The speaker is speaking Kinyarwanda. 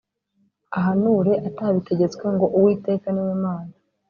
Ahanure atabitegetswe ngo uwiteka ni we mana